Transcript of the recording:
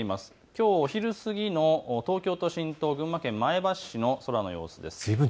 きょうお昼過ぎの東京都心と群馬県前橋市の空の様子です。